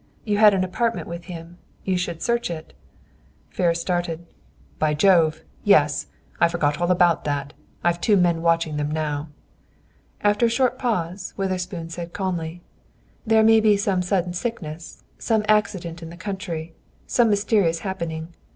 "You had an apartment with him. You should search it." Ferris started. "By Jove! Yes! I forgot all about that. I've two men watching them now." After a short pause, Witherspoon said calmly, "There may be some sudden sickness, some accident in the country, some mysterious happening.